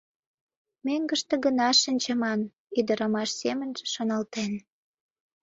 Мӧҥгыштӧ гына шинчыман», — ӱдырамаш семынже шоналтен.